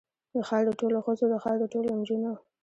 د ښار د ټولو ښځو، د ښار د ټولو نجونو